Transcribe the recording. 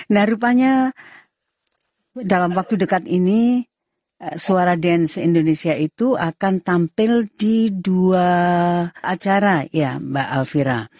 nah rupanya dalam waktu dekat ini suara dance indonesia itu akan tampil di dua acara ya mbak alfira